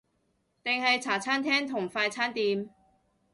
定係茶餐廳同快餐店？